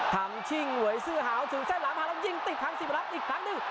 ทำชิ้งเวย์ซื่อหาวถึงเส้นหลังพาแล้วยิ่งติดทางศิวรักษณ์อีกครั้งหนึ่ง